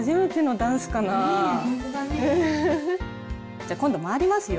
じゃ今度回りますよ。